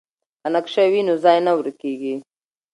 که نقشه وي نو ځای نه ورکېږي.